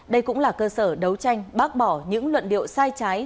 đây cũng là cơ sở đấu tranh bác bỏ những luận điệu sai trái